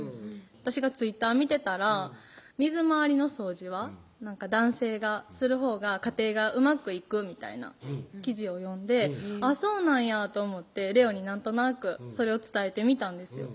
私がＴｗｉｔｔｅｒ見てたら「水回りの掃除は男性がするほうが家庭がうまくいく」みたいな記事を読んでそうなんやと思って玲央になんとなくそれを伝えてみたんですよ